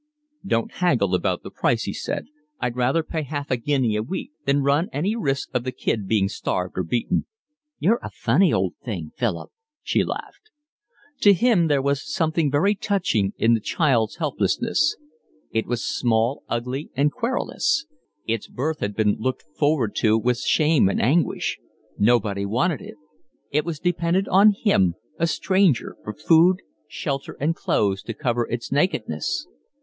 "Don't haggle about the price," he said. "I'd rather pay half a guinea a week than run any risk of the kid being starved or beaten." "You're a funny old thing, Philip," she laughed. To him there was something very touching in the child's helplessness. It was small, ugly, and querulous. Its birth had been looked forward to with shame and anguish. Nobody wanted it. It was dependent on him, a stranger, for food, shelter, and clothes to cover its nakedness.